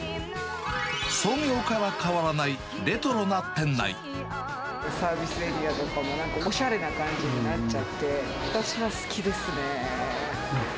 創業から変わらないレトロなサービスエリアもなんかおしゃれな感じになっちゃって、私は好きですね。